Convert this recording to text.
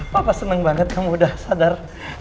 papa seneng banget kamu udah sadar